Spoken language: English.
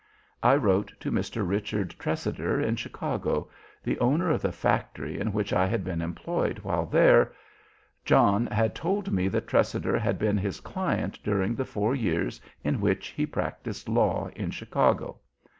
I wrote to Mr. Richard Tressider in Chicago, the owner of the factory in which I had been employed while there. John had told me that Tressider had been his client during the four years in which he practiced law in Chicago.